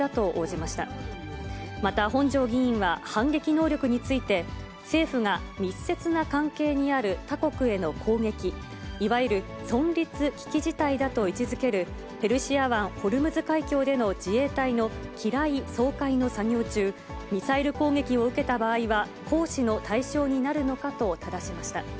また、本庄議員は反撃能力について、政府が密接な関係にある他国への攻撃、いわゆる存立危機事態だと位置づける、ペルシャ湾・ホルムズ海峡での自衛隊の機雷掃海の作業中、ミサイル攻撃を受けた場合は、行使の対象になるのかとただしました。